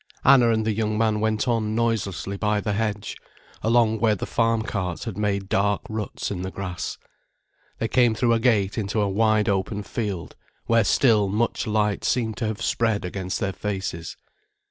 Anna and the young man went on noiselessly by the hedge, along where the farm carts had made dark ruts in the grass. They came through a gate into a wide open field where still much light seemed to spread against their faces.